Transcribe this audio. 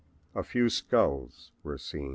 A few skulls were seen.